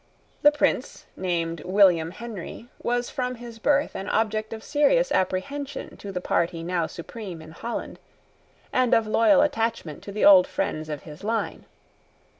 This Prince, named William Henry, was from his birth an object of serious apprehension to the party now supreme in Holland, and of loyal attachment to the old friends of his line.